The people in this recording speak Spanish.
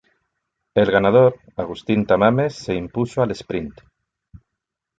El ganador Agustín Tamames se impuso al sprint.